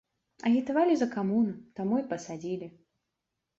Агітавалі за камуну, таму і пасадзілі!